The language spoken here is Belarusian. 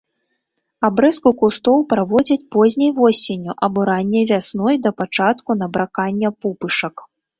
Абрэзку кустоў праводзяць позняй восенню або ранняй вясной да пачатку набракання пупышак.